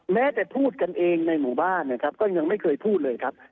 แม้แต่พูดกันเองในหมู่บ้านนะครับก็ยังไม่เคยพูดเลยครับ